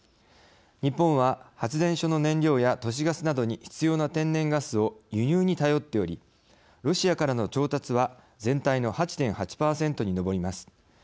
日本は発電所の燃料や都市ガスなどに必要な天然ガスを輸入に頼っておりロシアからの調達は全体の８．８％に上ります。